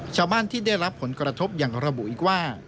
ชาวบ้านที่ได้รับผลกระทบอย่างระบุอีกว่า